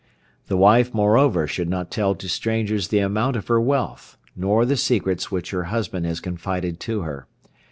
The wife, moreover, should not tell to strangers the amount of her wealth, nor the secrets which her husband has confided to her.